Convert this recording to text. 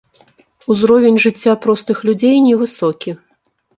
Узровень жыцця простых людзей невысокі.